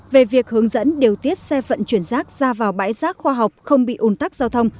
về việc hướng dẫn điều tiết xe vận chuyển rác ra vào bãi rác khoa học không bị ồn tắc giao thông